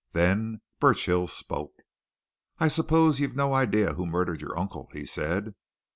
Then Burchill spoke. "I suppose you've no idea who murdered your uncle?" he said.